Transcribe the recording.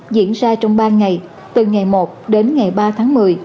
diễn ra trong ba ngày từ ngày một đến ngày ba tháng một mươi